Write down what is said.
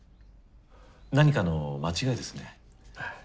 何かの間違いですね。